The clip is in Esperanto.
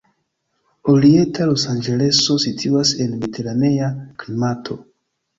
Orienta Losanĝeleso situas en mediteranea klimato.